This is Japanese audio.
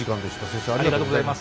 ありがとうございます。